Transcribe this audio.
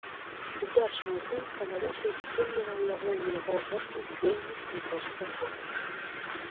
Удзячныя тым, хто маліўся і падтрымліваў яго ў яго апошні вельмі не проста год.